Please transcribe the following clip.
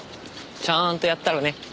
ちゃーんとやったらね。